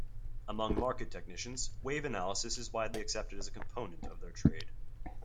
Among market technicians, wave analysis is widely accepted as a component of their trade.